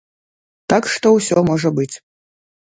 Так што ўсё можа быць.